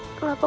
ada apa kak